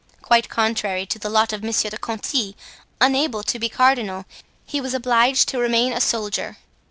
Quite contrary to the lot of Monsieur de Conti, unable to be cardinal, he was obliged to remain a soldier.